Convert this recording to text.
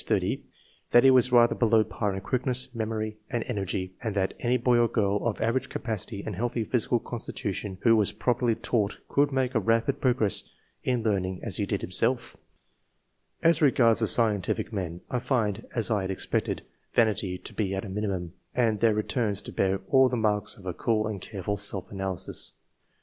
30) that he was rather below par in quickness, memory, and energy, and that any boy or girl of average capacity and healthy physical constitution, who was properly taught, could make as rapid pro gress in learning as he did himself I As regards the scientific men, I find, as I had expected, vanity to be at a minimum, and their returns to bear all the marks of a cool and careful self analysis.